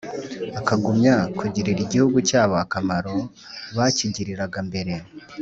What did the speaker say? akagumya kugirira igihugu cyabo akamaro bakigiriraga mbere